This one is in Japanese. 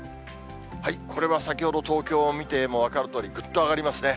これは先ほど、東京を見ても分かるとおり、ぐっと上がりますね。